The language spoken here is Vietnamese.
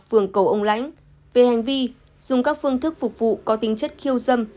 phường cầu ông lãnh về hành vi dùng các phương thức phục vụ có tính chất khiêu dâm